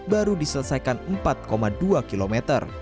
baru diselesaikan empat dua km